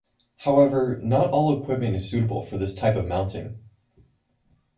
However, not all equipment is suitable for this type of mounting.